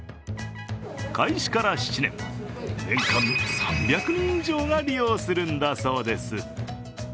開始から７年、年間３００人以上が利用するんだそうです。